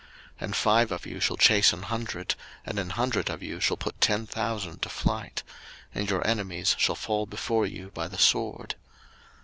03:026:008 And five of you shall chase an hundred, and an hundred of you shall put ten thousand to flight: and your enemies shall fall before you by the sword.